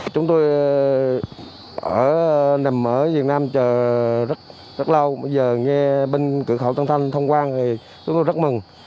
chúng tôi ở nằm ở việt nam chờ rất lâu bây giờ nghe bên cửa khẩu tân thanh thông quan thì chúng tôi rất mừng